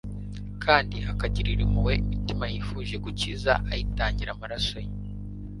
kandi akagirira impuhwe imitima yifuje gukiza ayitangira amaraso ye: